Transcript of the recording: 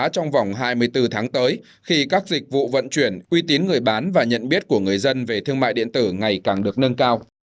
trong vòng hai mươi bốn tháng tới khi các dịch vụ vận chuyển quy tín người bán và nhận biết của người dân về thương mại điện tử ngày càng được nâng cao